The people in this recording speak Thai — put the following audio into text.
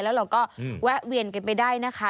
แล้วเราก็แวะเวียนกันไปได้นะคะ